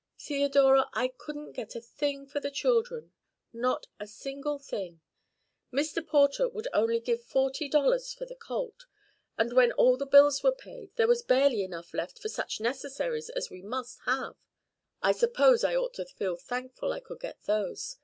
Theodora, I couldn't get a thing for the children not a single thing. Mr. Porter would only give forty dollars for the colt, and when all the bills were paid there was barely enough left for such necessaries as we must have. I suppose I ought to feel thankful I could get those.